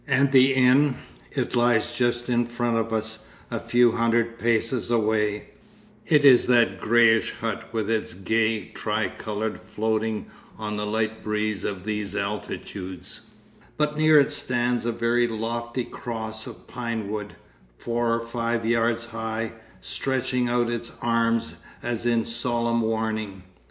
And the inn? It lies just in front of us, a few hundred paces away; it is that greyish hut with its gay tricolour floating on the light breeze of these altitudes, but near it stands a very lofty cross of pine wood, four or five yards high, stretching out its arms as in solemn warning.